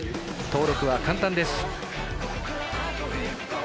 登録は簡単です。